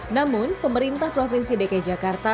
namun pemerintah provinsi dki jakarta